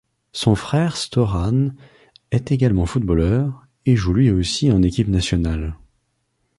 Son frère Stojan est également footballeur, et joue lui aussi en équipe nationale.